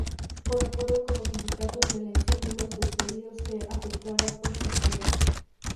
Por acuerdo con los sindicatos, la elección de los despedidos se efectuará por sorteo.